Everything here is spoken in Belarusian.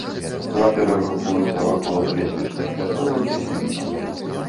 Кватэры групуюцца вакол лесвічных пляцовак з ліфтам.